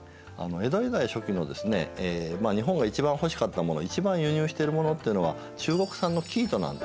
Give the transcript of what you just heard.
江戸時代初期のですね日本が一番欲しかったもの一番輸入しているものっていうのは中国産の生糸なんですね。